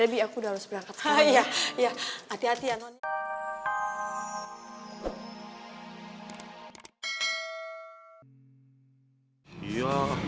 ya aku udah harus berangkat hai ya ya hati hati ya non